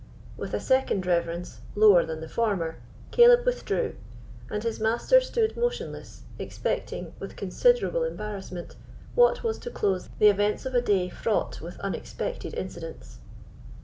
With a second reverence, lower than the former, Caleb withdrew; and his master stood motionless, expecting, with considerable embarrassment, what was to close the events of a day fraught with unexpected incidents.